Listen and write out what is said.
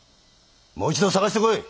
もう一度捜してこい！